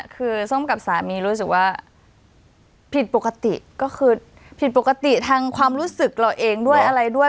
คือส้มกับสามีรู้สึกว่าผิดปกติก็คือผิดปกติทางความรู้สึกเราเองด้วยอะไรด้วย